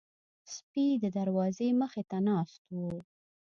سپي د دروازې مخې ته ناست وو.